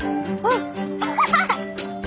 アハハハ！